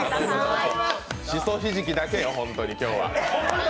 しそひじきだけよ、ホントに今日は。